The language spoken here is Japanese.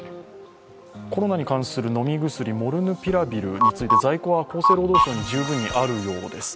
コロナに関する飲み薬、モルヌピラビルについて在庫は厚生労働省に十分あるようです。